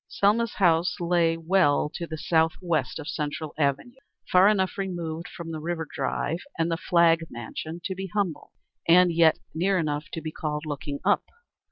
Selma's house lay well to the south west of Central Avenue, far enough removed from the River Drive and the Flagg mansion to be humble and yet near enough to be called looking up.